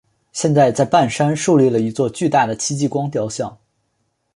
现在在半山竖立了一座巨大的戚继光雕像。